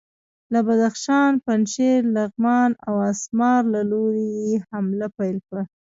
له بدخشان، پنجشیر، لغمان او اسمار له لوري یې حمله پیل کړه.